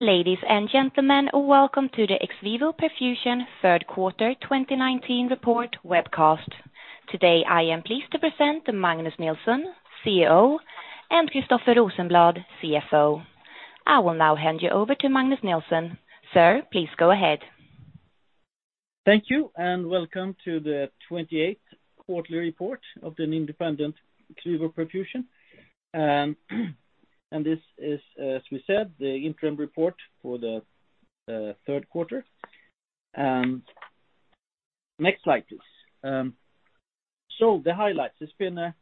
Ladies and gentlemen, welcome to the XVIVO Perfusion third quarter 2019 report webcast. Today, I am pleased to present Magnus Nilsson, CEO, and Christoffer Rosenblad, CFO. I will now hand you over to Magnus Nilsson. Sir, please go ahead. Thank you, welcome to the 28th quarterly report of an independent XVIVO Perfusion. This is, as we said, the interim report for the third quarter. Next slide, please. The highlights. It's been an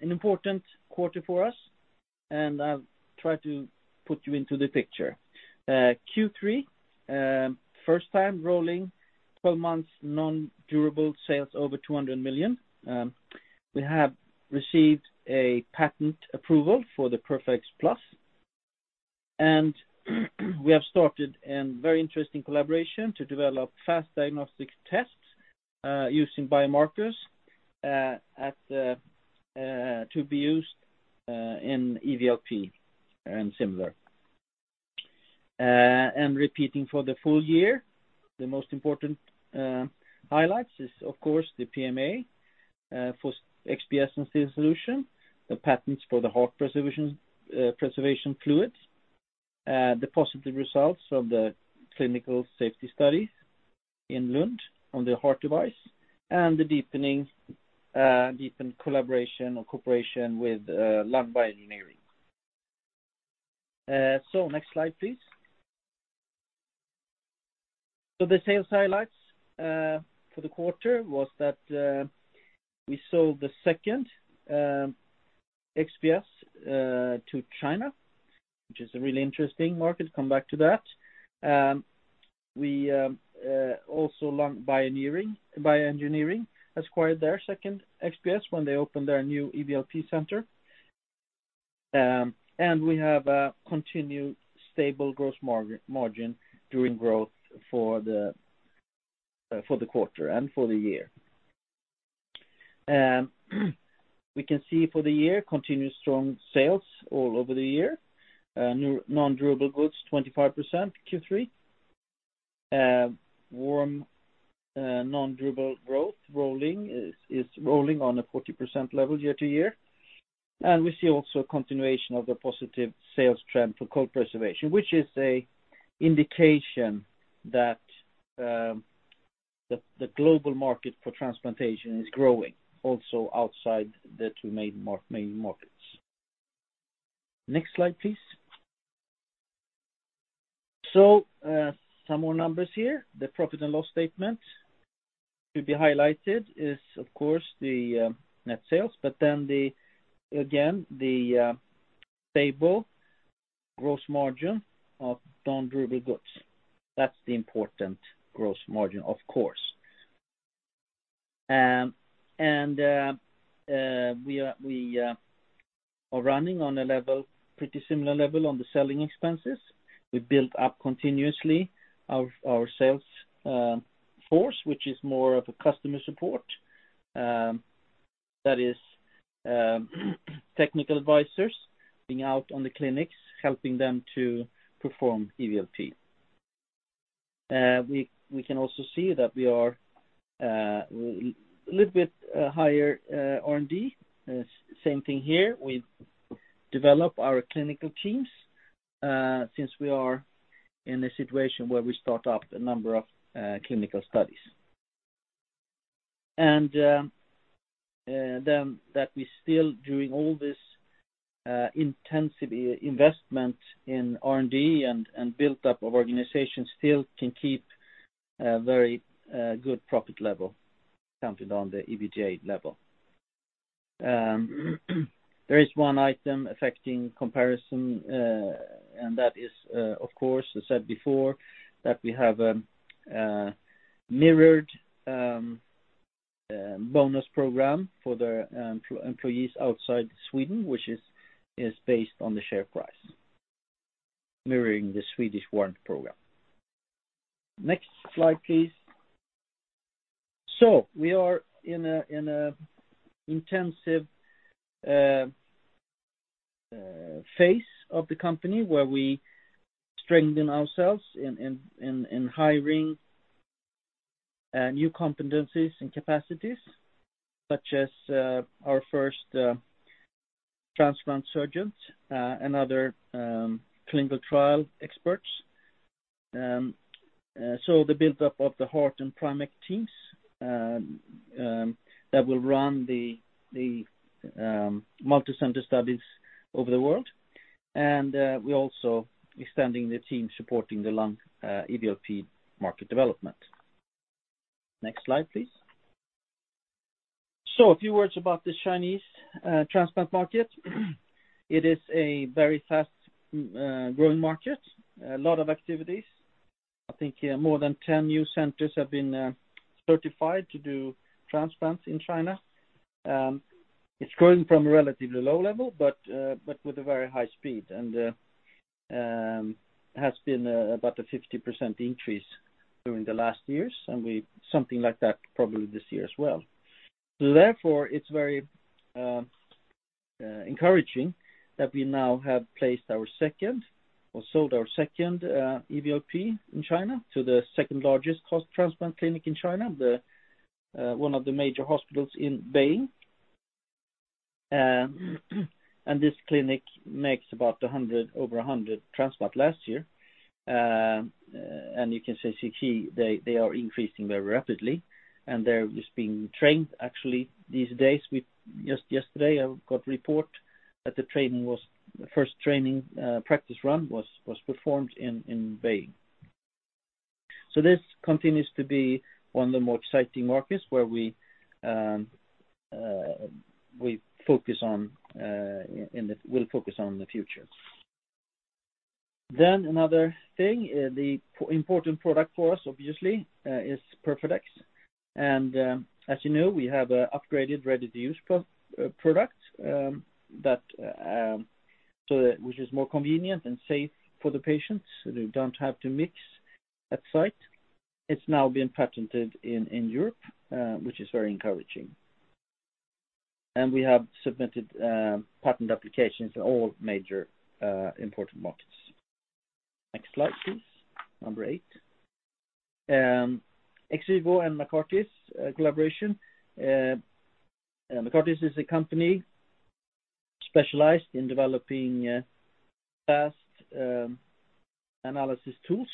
important quarter for us, and I'll try to put you into the picture. Q3, first time rolling 12 months non-durable sales over 200 million. We have received a patent approval for the PERFADEX Plus. We have started a very interesting collaboration to develop fast diagnostic tests using biomarkers to be used in EVLP and similar. Repeating for the full year, the most important highlights is, of course, the PMA for XPS and STEEN Solution, the patents for the heart preservation fluids, the positive results of the clinical safety studies in Lund on the heart device, and the deepened collaboration or cooperation with Lung Bioengineering. Next slide, please. The sales highlights for the quarter was that we sold the second XPS to China, which is a really interesting market. Come back to that. Also, Lung Bioengineering acquired their second XPS when they opened their new EVLP center. We have a continued stable gross margin during growth for the quarter and for the year. We can see for the year, continuous strong sales all over the year. Non-durable goods, 25% Q3. Warm non-durable growth is rolling on a 40% level year to year. We see also a continuation of the positive sales trend for cold preservation, which is an indication that the global market for transplantation is growing also outside the two main markets. Next slide, please. Some more numbers here. The profit and loss statement to be highlighted is, of course, the net sales. The stable gross margin of non-durable goods. That's the important gross margin, of course. We are running on a pretty similar level on the selling expenses. We built up continuously our sales force, which is more of a customer support. That is technical advisors being out on the clinics, helping them to perform EVLP. We can also see that we are a little bit higher R&D. Same thing here. We develop our clinical teams, since we are in a situation where we start up a number of clinical studies. That we still, during all this intensive investment in R&D and build-up of organizations, still can keep a very good profit level counted on the EBIT level. There is one item affecting comparison, and that is, of course, as said before, that we have a mirrored bonus program for the employees outside Sweden, which is based on the share price, mirroring the Swedish warrant program. Next slide, please. We are in an intensive phase of the company where we strengthen ourselves in hiring new competencies and capacities, such as our first transplant surgeon and other clinical trial experts. The build-up of the heart and PrimECC® teams that will run the multi-center studies over the world. We're also extending the team supporting the lung EVLP market development. Next slide, please. A few words about the Chinese transplant market. It is a very fast-growing market. A lot of activities. I think more than 10 new centers have been certified to do transplants in China. It's growing from a relatively low level, but with a very high speed, and has been about a 50% increase during the last years, and something like that probably this year as well. Therefore, it's very encouraging that we now have placed our second, or sold our second EVLP in China to the second-largest heart transplant clinic in China, one of the major hospitals in Beijing. This clinic makes over 100 transplants last year. You can see they are increasing very rapidly, and they're just being trained. Actually, these days, just yesterday, I got report that the first training practice run was performed in Beijing. This continues to be one of the more exciting markets where we'll focus on in the future. Another thing, the important product for us, obviously, is PERFADEX. As you know, we have an upgraded, ready-to-use product which is more convenient and safe for the patients. They don't have to mix at site. It's now been patented in Europe, which is very encouraging. We have submitted patent applications in all major important markets. Next slide, please. Number 8. XVIVO and MyCartis collaboration. MyCartis is a company specialized in developing fast analysis tools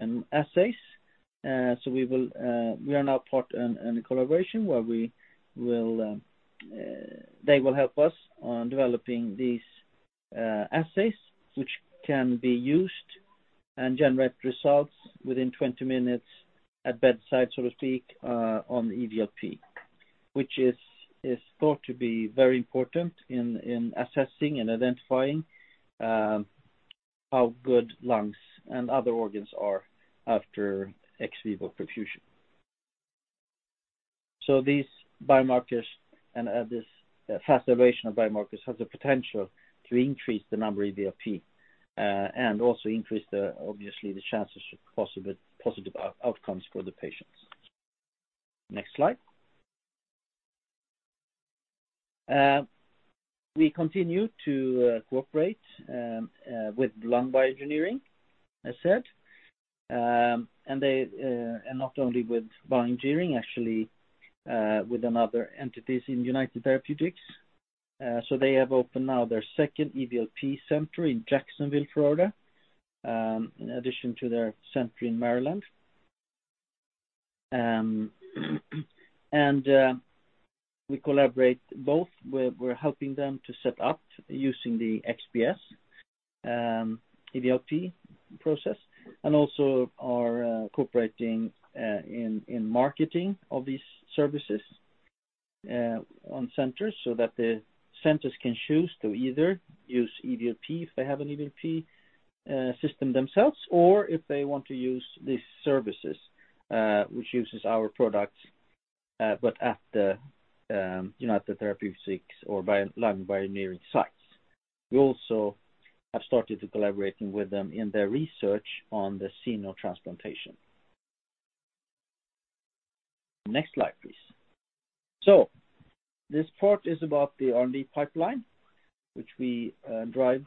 and assays. We are now part in a collaboration where they will help us on developing these assays, which can be used and generate results within 20 minutes at bedside, so to speak, on EVLP. Which is thought to be very important in assessing and identifying how good lungs and other organs are after ex vivo perfusion. These biomarkers and this fast evaluation of biomarkers has the potential to increase the number of EVLP, and also increase the, obviously, the chances of positive outcomes for the patients. Next slide. We continue to cooperate with Lung Bioengineering, as said. Not only with Lung Bioengineering, actually, with other entities in United Therapeutics. They have opened now their second EVLP center in Jacksonville, Florida, in addition to their center in Maryland. We collaborate both. We're helping them to set up using the XPS EVLP process, and also are cooperating in marketing of these services on centers, so that the centers can choose to either use EVLP if they have an EVLP system themselves, or if they want to use these services, which uses our products, but at the United Therapeutics or by Lung Bioengineering sites. We also have started collaborating with them in their research on the xenotransplantation. Next slide, please. This part is about the R&D pipeline, which we drive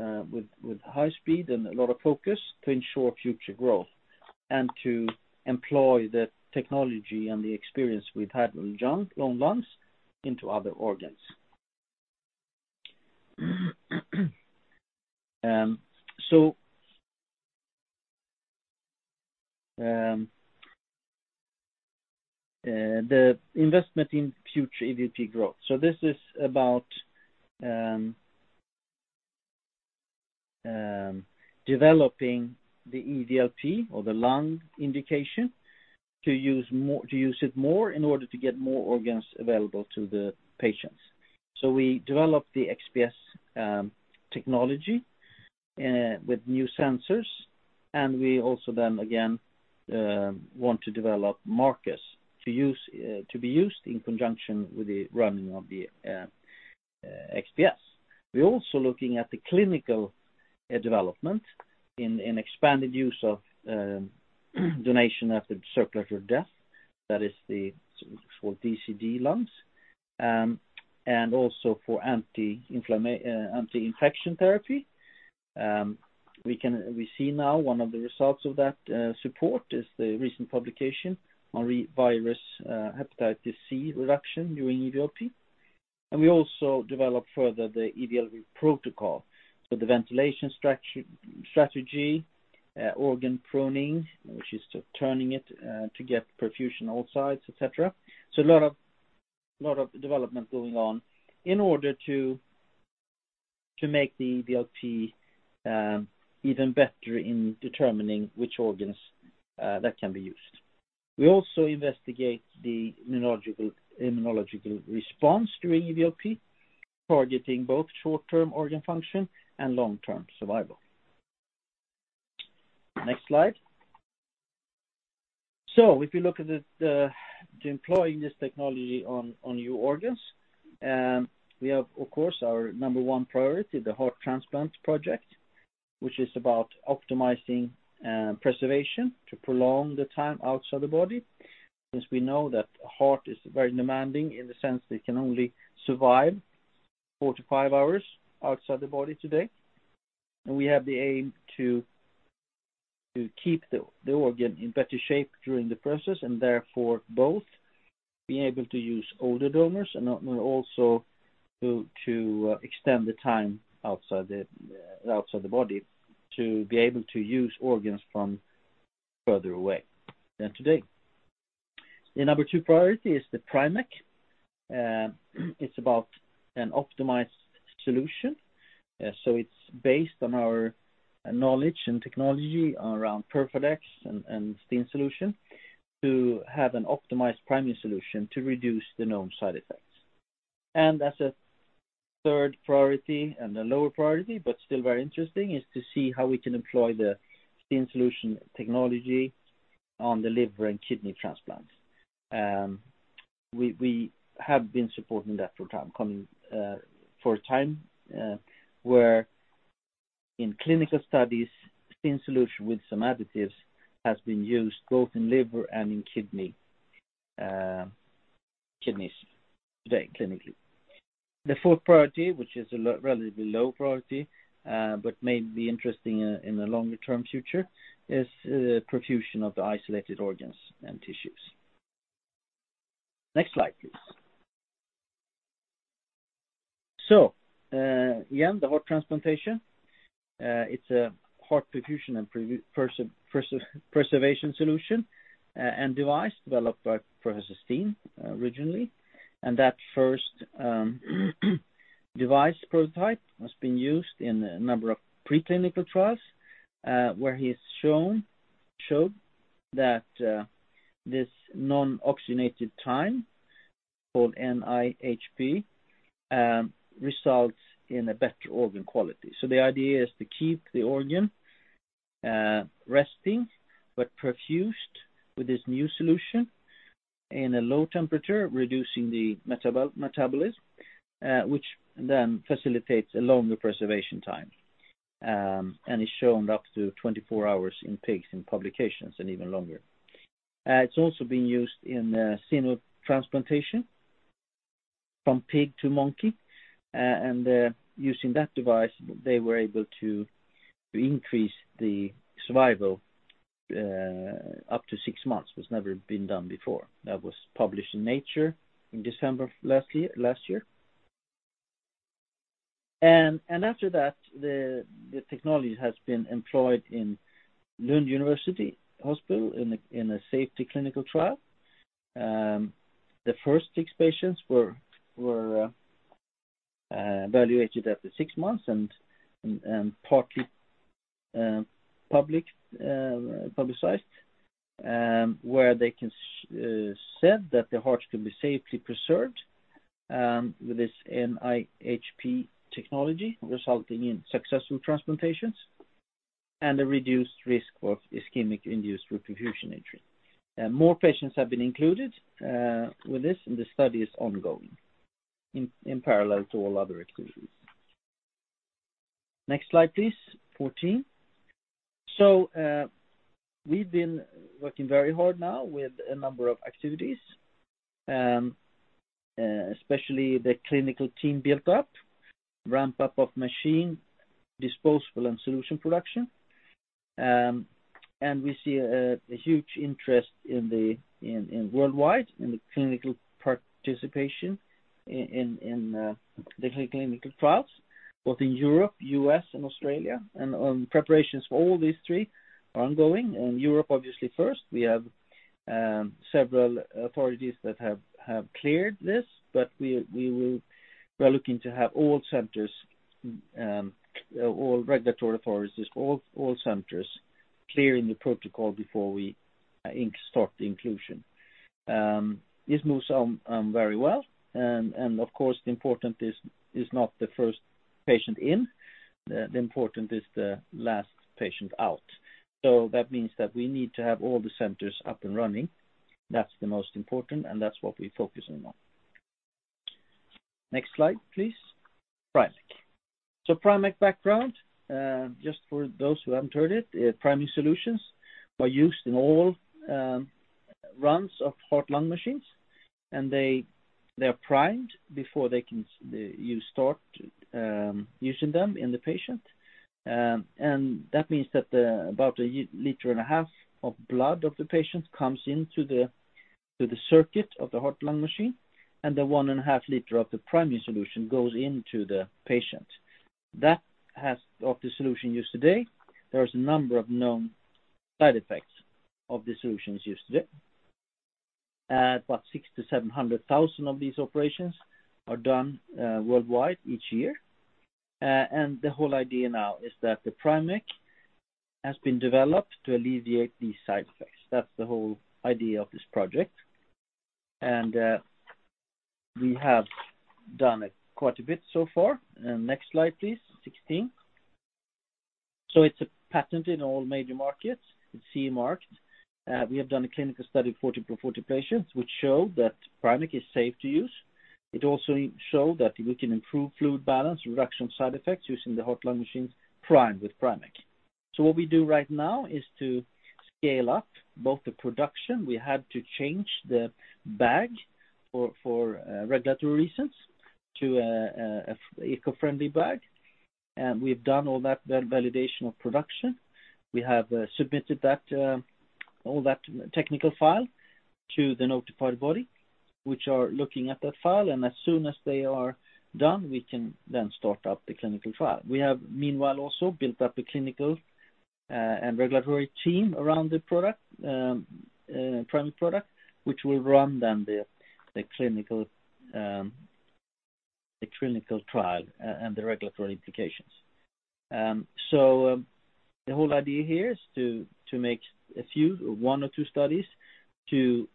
with high speed and a lot of focus to ensure future growth and to employ the technology and the experience we've had with lungs into other organs. The investment in future EVLP growth. This is about developing the EVLP or the lung indication to use it more in order to get more organs available to the patients. We developed the XPS technology with new sensors, and we also then again, want to develop markers to be used in conjunction with the running of the XPS. We're also looking at the clinical development in expanded use of donation after circulatory death, so for DCD lungs, and also for anti-infection therapy. We see now one of the results of that support is the recent publication on virus, hepatitis C reduction during EVLP. We also developed further the EVLP protocol, the ventilation strategy, organ pruning, which is turning it to get perfusion all sides, et cetera. A lot of development going on in order to make the EVLP even better in determining which organs that can be used. We also investigate the immunological response during EVLP, targeting both short-term organ function and long-term survival. Next slide. If you look at employing this technology on new organs, we have, of course, our number 1 priority, the heart transplant project. Which is about optimizing preservation to prolong the time outside the body, since we know that a heart is very demanding in the sense that it can only survive four to five hours outside the body today. We have the aim to keep the organ in better shape during the process, and therefore both be able to use older donors and also to extend the time outside the body to be able to use organs from further away than today. The number 2 priority is the PrimECC®. It's about an optimized solution. It's based on our knowledge and technology around PERFADEX and STEEN Solution to have an optimized priming solution to reduce the known side effects. As a third priority and a lower priority, but still very interesting, is to see how we can employ the STEEN Solution technology on the liver and kidney transplants. We have been supporting that for a time, where in clinical studies, STEEN Solution with some additives has been used both in liver and in kidneys today, clinically. The fourth priority, which is a relatively low priority, but may be interesting in the longer-term future, is the perfusion of the isolated organs and tissues. Next slide, please. Again, the heart transplantation, it's a heart perfusion and preservation solution and device developed by Professor Steen originally. That first device prototype has been used in a number of preclinical trials, where he's showed that this non-oxygenated time, called NIHP, results in a better organ quality. The idea is to keep the organ resting, but perfused with this new solution in a low temperature, reducing the metabolism, which then facilitates a longer preservation time, and is shown up to 24 hours in pigs in publications and even longer. It's also being used in xenotransplantation from pig to monkey. Using that device, they were able to increase the survival up to six months, which has never been done before. That was published in "Nature" in December of last year. After that, the technology has been employed in Lund University Hospital in a safety clinical trial. The first six patients were evaluated after six months and partly publicized, where they said that the heart could be safely preserved with this NIHP technology, resulting in successful transplantations and a reduced risk of ischemic induced reperfusion injury. More patients have been included with this, and the study is ongoing in parallel to all other activities. Next slide, please. 14. We've been working very hard now with a number of activities, especially the clinical team built up, ramp up of machine, disposable and solution production. We see a huge interest worldwide in the clinical participation in the clinical trials, both in Europe, U.S., and Australia. Preparations for all these three are ongoing. In Europe, obviously first. We have several authorities that have cleared this, but we are looking to have all regulatory authorities, all centers clearing the protocol before we start the inclusion. This moves on very well. Of course, the important is not the first patient in, the important is the last patient out. That means that we need to have all the centers up and running. That's the most important, and that's what we're focusing on. Next slide, please. PrimECC. PrimECC background, just for those who haven't heard it, priming solutions are used in all runs of heart-lung machines, and they are primed before you start using them in the patient. That means that about a liter and a half of blood of the patient comes into the circuit of the heart-lung machine, and the one and a half liter of the priming solution goes into the patient. Of the solution used today, there is a number of known side effects of the solutions used today. About 600,000-700,000 of these operations are done worldwide each year. The whole idea now is that the PrimECC has been developed to alleviate these side effects. That's the whole idea of this project. We have done quite a bit so far. Next slide, please. 16. It's a patent in all major markets. It's CE marked. We have done a clinical study of 40/40 patients, which show that PrimECC is safe to use. It also showed that we can improve fluid balance, reduction side effects using the heart-lung machines primed with PrimECC. What we do right now is to scale up both the production. We had to change the bag for regulatory reasons to an eco-friendly bag. We've done all that validation of production. We have submitted all that technical file to the notified body, which are looking at that file, and as soon as they are done, we can then start up the clinical trial. We have meanwhile also built up a clinical and regulatory team around the product, PrimECC®, which will run then the clinical trial and the regulatory implications. The whole idea here is to make a few, one or two studies, to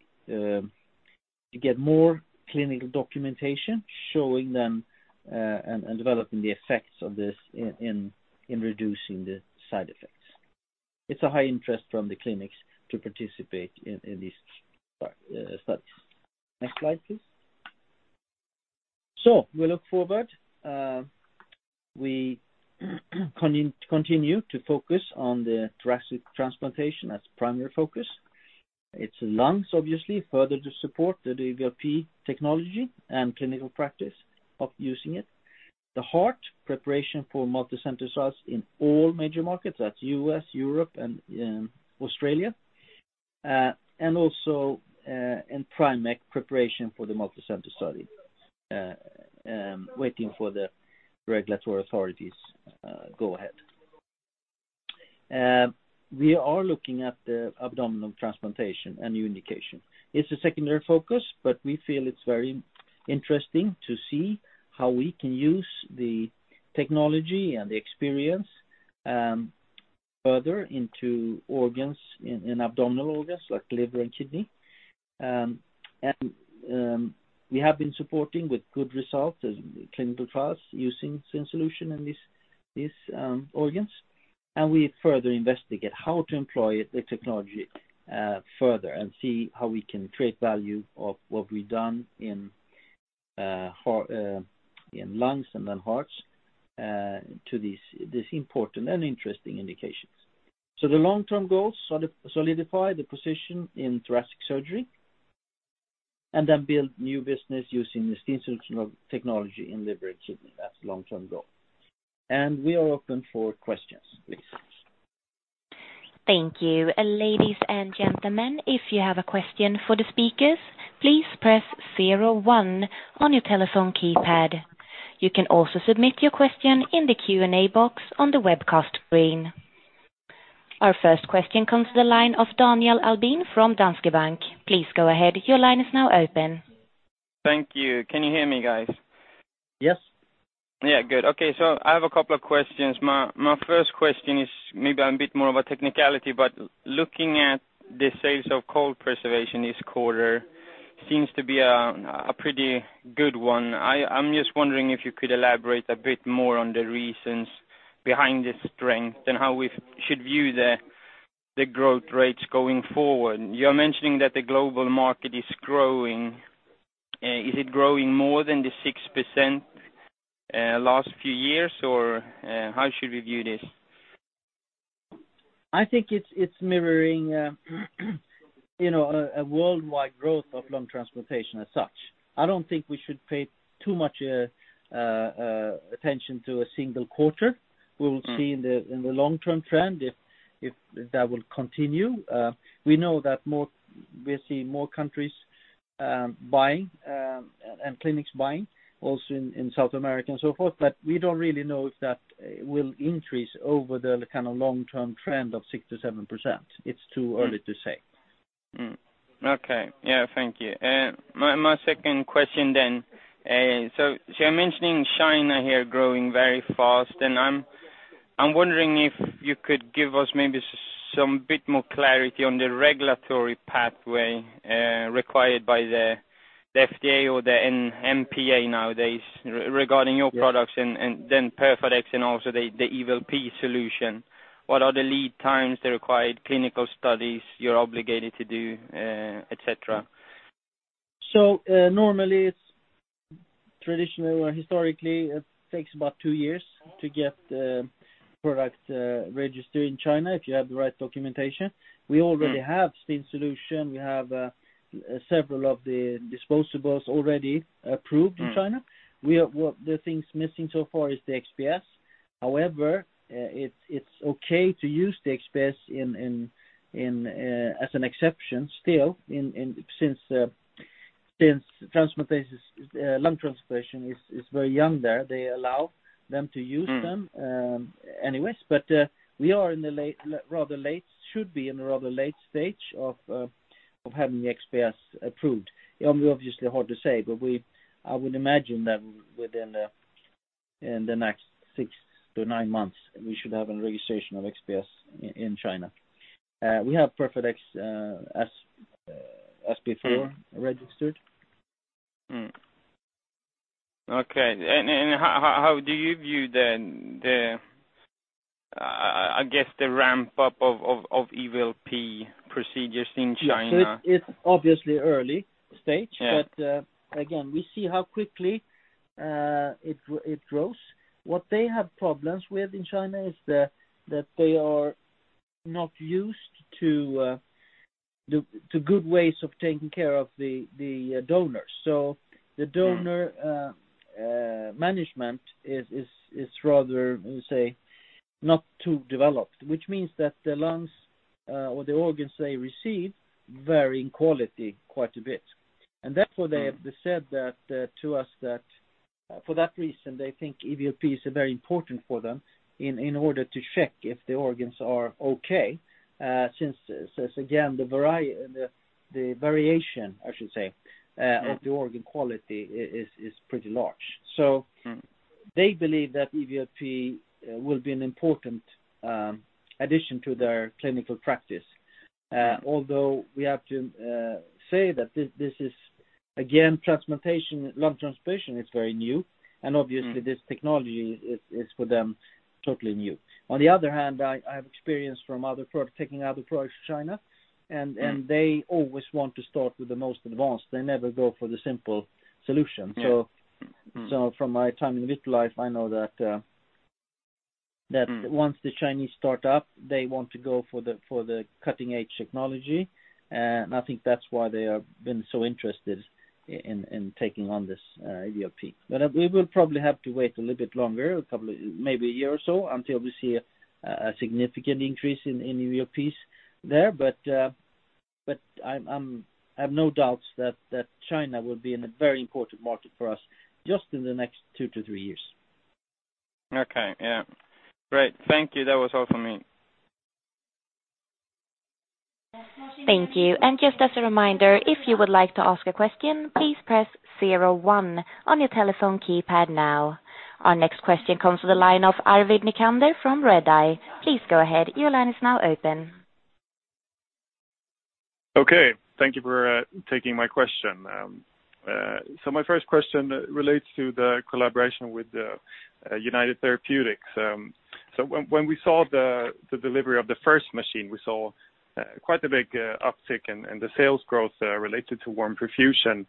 get more clinical documentation, showing them and developing the effects of this in reducing the side effects. It's a high interest from the clinics to participate in these studies. Next slide, please. We look forward. We continue to focus on the thoracic transplantation as primary focus. It's lungs, obviously, further to support the EVLP technology and clinical practice of using it. The heart preparation for multi-center sites in all major markets, that's U.S., Europe, and Australia. Also in PrimECC, preparation for the multicenter study, waiting for the regulatory authorities go ahead. We are looking at the abdominal transplantation, a new indication. It's a secondary focus, we feel it's very interesting to see how we can use the technology and the experience further into abdominal organs like liver and kidney. We have been supporting with good results clinical trials using STEEN Solution in these organs, we further investigate how to employ the technology further and see how we can create value of what we've done in lungs and in hearts to these important and interesting indications. The long-term goals solidify the position in thoracic surgery, and then build new business using the STEEN Solution technology in liver and kidney. That's the long-term goal. We are open for questions, please. Thank you. Ladies and gentlemen, if you have a question for the speakers, please press 01 on your telephone keypad. You can also submit your question in the Q&A box on the webcast screen. Our first question comes to the line of Daniel Albin from Danske Bank. Please go ahead. Your line is now open. Thank you. Can you hear me, guys? Yes. Yeah. Good. Okay, I have a couple of questions. My first question is maybe a bit more of a technicality, but looking at the sales of cold preservation this quarter seems to be a pretty good one. I'm just wondering if you could elaborate a bit more on the reasons behind the strength and how we should view the growth rates going forward. You're mentioning that the global market is growing. Is it growing more than the 6% last few years, or how should we view this? I think it's mirroring a worldwide growth of lung transplantation as such. I don't think we should pay too much attention to a single quarter. We will see in the long-term trend if that will continue. We know that we're seeing more countries buying and clinics buying also in South America and so forth, but we don't really know if that will increase over the long-term trend of 6%-7%. It's too early to say. Okay. Yeah, thank you. My second question then. You're mentioning China here growing very fast, and I'm wondering if you could give us maybe some bit more clarity on the regulatory pathway required by the FDA or the NMPA nowadays regarding your products and then PERFADEX and also the EVLP solution. What are the lead times, the required clinical studies you're obligated to do, et cetera? Normally, traditionally, or historically, it takes about 2 years to get the product registered in China if you have the right documentation. We already have STEEN Solution. We have several of the disposables already approved in China. The things missing so far is the XPS. However, it's okay to use the XPS as an exception still since lung transplantation is very young there. They allow them to use them anyways. We should be in a rather late stage of having the XPS approved. Obviously hard to say, but I would imagine that within the next 6 to 9 months, we should have a registration of XPS in China. We have PERFADEX SP4 registered. Okay. How do you view the ramp-up of EVLP procedures in China? Yeah. It's obviously early stage- Yeah Again, we see how quickly it grows. What they have problems with in China is that they are not used to good ways of taking care of the donors. The donor management is rather, let me say, not too developed, which means that the lungs or the organs they receive vary in quality quite a bit. they have said that to us that for that reason, they think EVLPs are very important for them in order to check if the organs are okay, since again, the variation, I should say. Yeah of the organ quality is pretty large. they believe that EVLP will be an important addition to their clinical practice. Although we have to say that this is, again, lung transplantation is very new. This technology is for them totally new. On the other hand, I have experience from taking other products to China. They always want to start with the most advanced. They never go for the simple solution. Yeah. From my time in Vitrolife, I know that once the Chinese start up, they want to go for the cutting-edge technology, and I think that's why they have been so interested in taking on this EVLP. We will probably have to wait a little bit longer, probably maybe a year or so, until we see a significant increase in EVLPs there. I have no doubts that China will be in a very important market for us just in the next two to three years. Okay. Yeah. Great. Thank you. That was all for me. Thank you. Just as a reminder, if you would like to ask a question, please press 01 on your telephone keypad now. Our next question comes to the line of Arvid Nicander from Redeye. Please go ahead. Your line is now open. Okay. Thank you for taking my question. My first question relates to the collaboration with United Therapeutics. When we saw the delivery of the first machine, we saw quite a big uptick in the sales growth related to warm perfusion.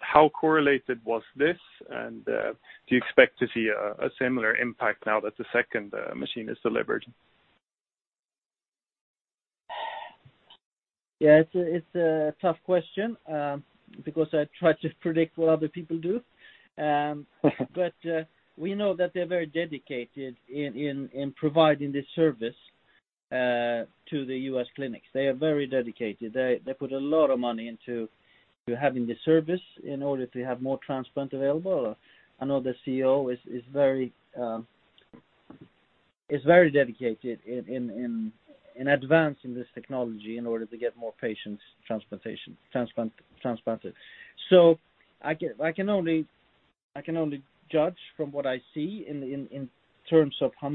How correlated was this, and do you expect to see a similar impact now that the second machine is delivered? Yeah, it's a tough question because I try to predict what other people do. We know that they're very dedicated in providing this service to the U.S. clinics. They are very dedicated. They put a lot of money into having the service in order to have more transplants available. I know the CEO is very dedicated in advancing this technology in order to get more patients transplanted. I can only judge from what I see in terms of how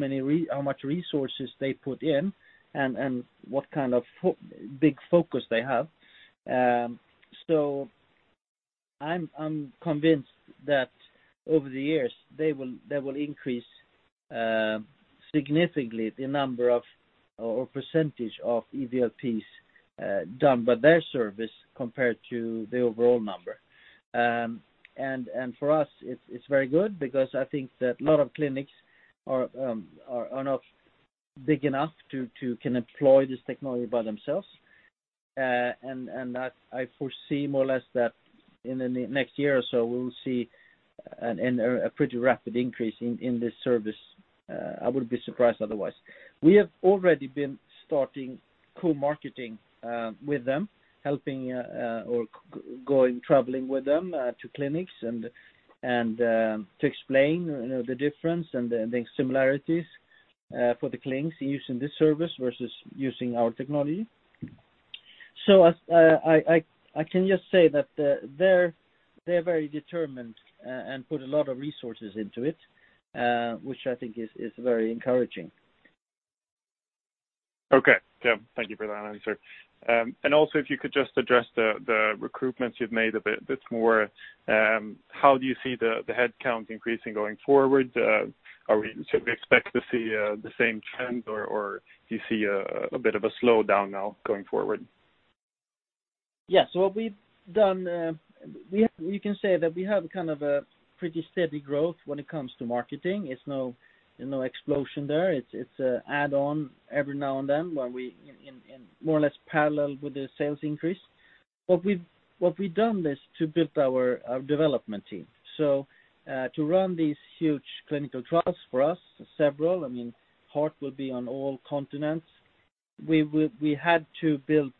much resources they put in and what kind of big focus they have. I'm convinced that over the years, they will increase significantly the number of, or percentage of EVLPs done by their service compared to the overall number. For us, it's very good because I think that a lot of clinics are not big enough to employ this technology by themselves. I foresee more or less that in the next year or so, we will see a pretty rapid increase in this service. I would be surprised otherwise. We have already been starting co-marketing with them, helping, traveling with them to clinics and to explain the difference and the similarities for the clinics using this service versus using our technology. I can just say that they're very determined and put a lot of resources into it, which I think is very encouraging. Okay. Yeah, thank you for that answer. Also, if you could just address the recruitments you've made a bit more. How do you see the headcount increasing going forward? Should we expect to see the same trend, or do you see a bit of a slowdown now going forward? Yeah. What we've done, we can say that we have kind of a pretty steady growth when it comes to marketing. It's no explosion there. It's add on every now and then in more or less parallel with the sales increase. What we've done is to build our development team. To run these huge clinical trials for us, several, I mean, heart will be on all continents. We had to build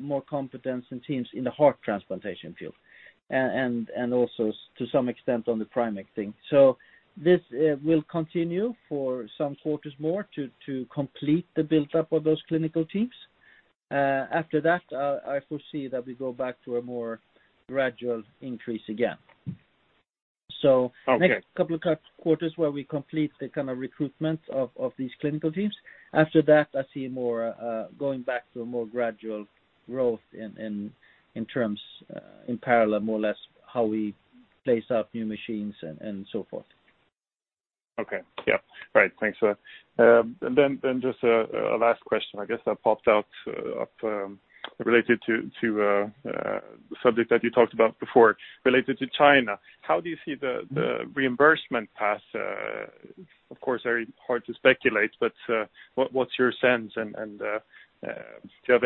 more competence in teams in the heart transplantation field and also to some extent on the PrimECC thing. This will continue for some quarters more to complete the buildup of those clinical teams. After that, I foresee that we go back to a more gradual increase again. Okay next couple of quarters where we complete the kind of recruitment of these clinical teams. After that, I see going back to a more gradual growth in terms, in parallel more or less how we place up new machines and so forth. Okay. Yeah. Right. Thanks for that. Just a last question, I guess, that popped up related to the subject that you talked about before related to China. How do you see the reimbursement path? Of course, very hard to speculate, but what's your sense and do you have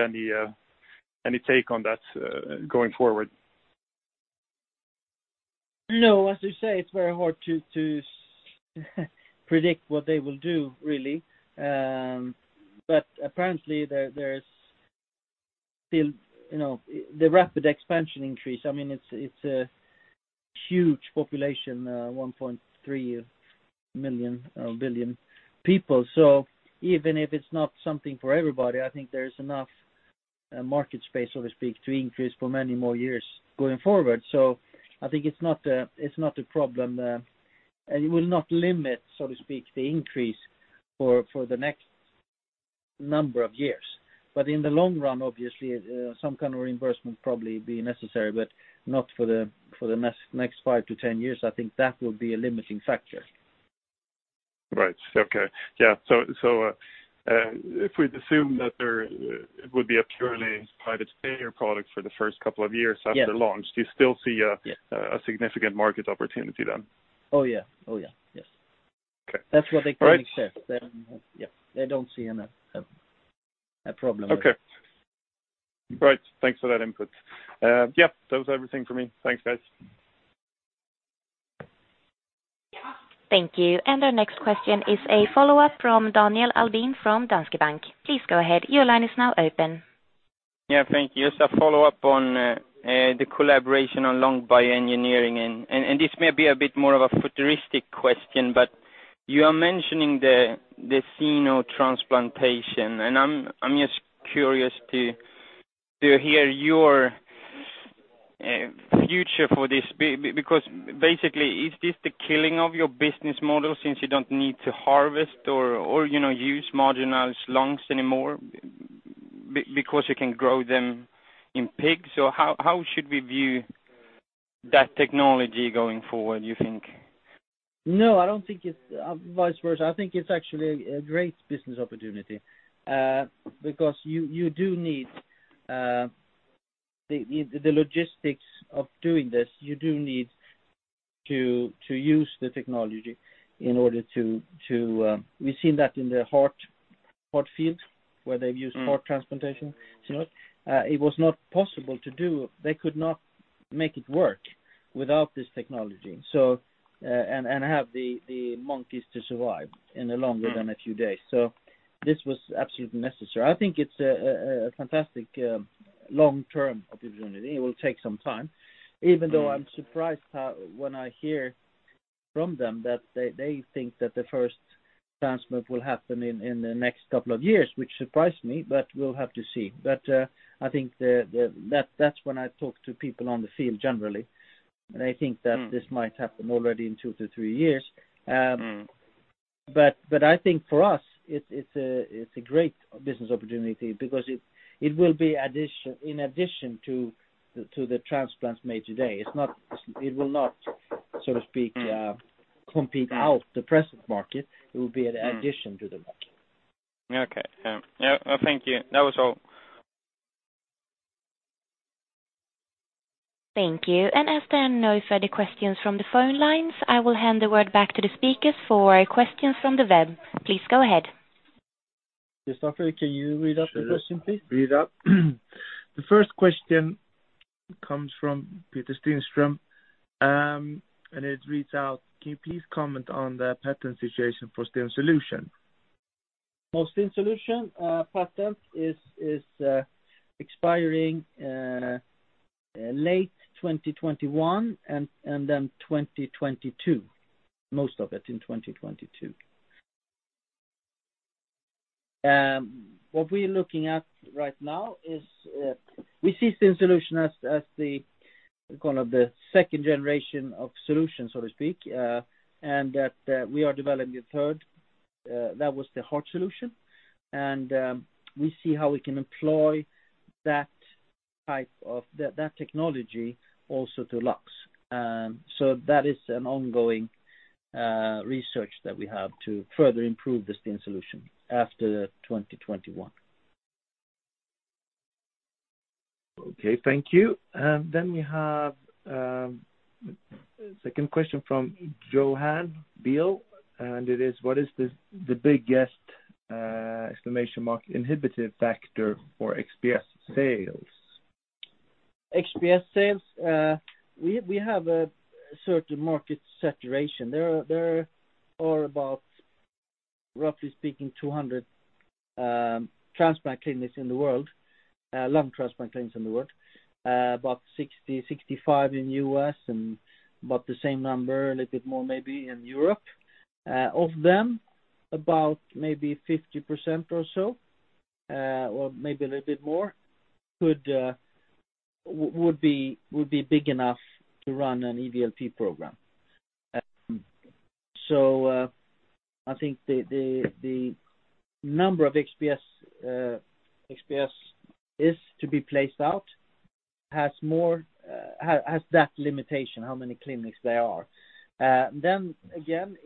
any take on that going forward? No. As you say, it's very hard to predict what they will do, really. Apparently, there is still the rapid expansion increase. It's a huge population, 1.3 billion people. Even if it's not something for everybody, I think there is enough market space, so to speak, to increase for many more years going forward. I think it's not a problem. It will not limit, so to speak, the increase for the next number of years. In the long run, obviously, some kind of reimbursement probably be necessary, but not for the next 5-10 years. I think that will be a limiting factor. Right. Okay. Yeah. If we'd assume that it would be a purely private payer product for the first couple of years after- Yeah launch, do you still see a- Yeah a significant market opportunity then? Oh, yeah. Yes. Okay. That's what they currently said. All right. Yeah. They don't see a problem there. Okay. Right. Thanks for that input. Yeah, that was everything for me. Thanks, guys. Thank you. Our next question is a follow-up from Daniel Albin from Danske Bank. Please go ahead. Your line is now open. Yeah, thank you. Just a follow-up on the collaboration on Lung Bioengineering. This may be a bit more of a futuristic question, but you are mentioning the xenotransplantation, and I'm just curious to hear your future for this. Basically, is this the killing of your business model since you don't need to harvest or use marginal lungs anymore because you can grow them in pigs? How should we view that technology going forward, you think? No, I don't think it's vice versa. I think it's actually a great business opportunity. You do need the logistics of doing this. You do need to use the technology. We've seen that in the heart field, where they've used heart transplantation. It was not possible to do. They could not make it work without this technology and have the monkeys to survive in a longer than a few days. This was absolutely necessary. I think it's a fantastic long-term opportunity. It will take some time, even though I'm surprised when I hear from them that they think that the first transplant will happen in the next couple of years, which surprised me. We'll have to see. I think that's when I talk to people on the field generally, and I think that this might happen already in two to three years. I think for us, it's a great business opportunity because it will be in addition to the transplants made today. It will not, so to speak, compete out the present market. It will be an addition to the market. Okay. Yeah. Well, thank you. That was all. Thank you. As there are no further questions from the phone lines, I will hand the word back to the speakers for questions from the web. Please go ahead. Christoffer, can you read out the question, please? Sure. The first question comes from Peter [Stenström], and it reads out, "Can you please comment on the patent situation for STEEN Solution? For STEEN Solution, patent is expiring late 2021 and then 2022, most of it in 2022. What we're looking at right now is we see STEEN Solution as the second generation of solution, so to speak, and that we are developing a third. That was the heart solution. We see how we can employ that technology also to lungs. That is an ongoing research that we have to further improve the STEEN Solution after 2021. Okay, thank you. We have a second question from Johan [Bill], and it is, "What is the biggest inhibitive factor for XPS sales? XPS sales, we have a certain market saturation. There are about, roughly speaking, 200 transplant clinics in the world, lung transplant clinics in the world. About 60, 65 in U.S. and about the same number, a little bit more maybe in Europe. Of them, about maybe 50% or so, or maybe a little bit more, would be big enough to run an EVLP program. I think the number of XPS is to be placed out, has that limitation, how many clinics there are. Again,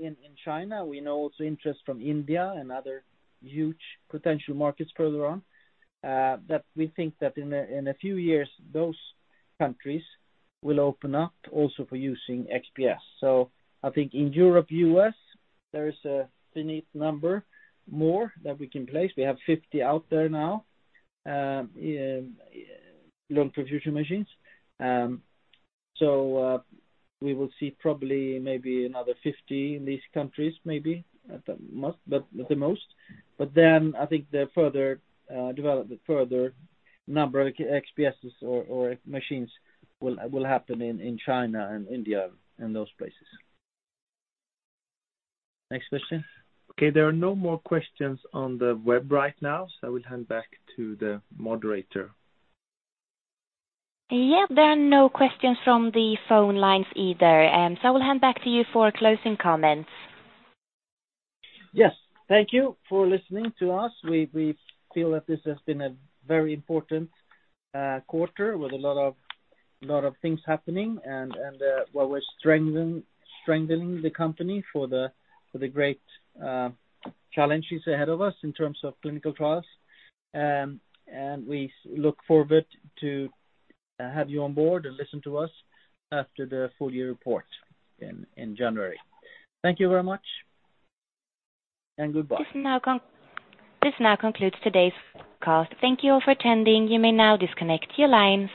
in China, we know also interest from India and other huge potential markets further on, that we think that in a few years those countries will open up also for using XPS. I think in Europe, U.S., there is a finite number more that we can place. We have 50 out there now, lung perfusion machines. We will see probably maybe another 50 in these countries, maybe, at the most. I think the further number of XPSs or machines will happen in China and India and those places. Next question. Okay. There are no more questions on the web right now. I will hand back to the moderator. Yeah, there are no questions from the phone lines either. I will hand back to you for closing comments. Yes. Thank you for listening to us. We feel that this has been a very important quarter with a lot of things happening and where we're strengthening the company for the great challenges ahead of us in terms of clinical trials. We look forward to have you on board and listen to us after the full year report in January. Thank you very much and goodbye. This now concludes today's call. Thank you all for attending. You may now disconnect your lines.